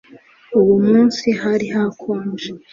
Uwo munsi hari hakonje